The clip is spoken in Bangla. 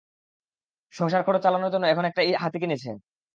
সংসার খরচ চালানোর জন্য এখন একটা হাতি কিনেছে।